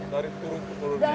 dari turun ke turunnya